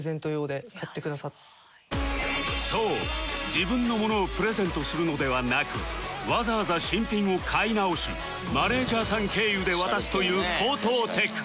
そう自分の物をプレゼントするのではなくわざわざ新品を買い直しマネジャーさん経由で渡すという高等テク